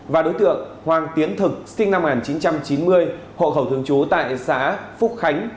và đối tượng hoàng tiến thực sinh năm một nghìn chín trăm chín mươi hộ khẩu thường trú tại xã phúc khánh